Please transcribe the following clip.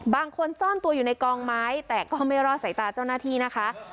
ซ่อนตัวอยู่ในกองไม้แต่ก็ไม่รอดสายตาเจ้าหน้าที่นะคะ